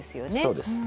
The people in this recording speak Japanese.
そうです。